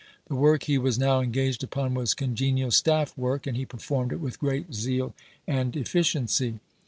The work he was now engaged upon was congenial staff work, and he performed it with great zeal and efficiency.